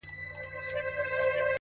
o او په لوړ ږغ په ژړا سو ـ